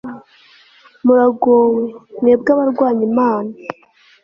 muragowe, mwebwe abarwanya imana